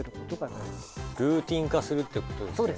ルーティーン化するってことですよね。